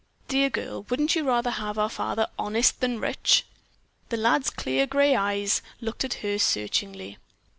"Dear girl, wouldn't you rather have our father honest than rich?" The lad's clear grey eyes looked at her searchingly.